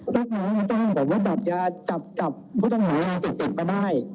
บอกว่าจับผู้ตำรวจยาเจ็บมาได้